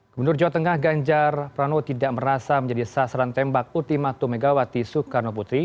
gubernur jawa tengah ganjar pranowo tidak merasa menjadi sasaran tembak ultimatum megawati soekarno putri